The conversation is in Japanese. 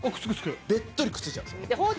ベットリくっついちゃうんです。